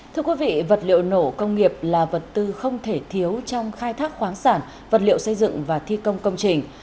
thưa quý vị vật liệu nổ công nghiệp là vật tư không thể thiếu trong khai thác khoáng sản vật liệu xây dựng và thi công công trình